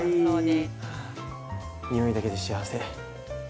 は匂いだけで幸せ。